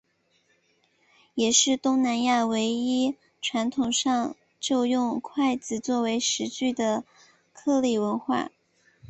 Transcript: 也是东南亚唯一传统上就用筷子作为食具的料理文化。